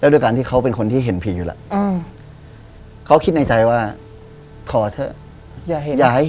แล้วด้วยการที่เขาเป็นคนที่เห็นผีอยู่แล้วก็คิดในใจว่าขอเถอะ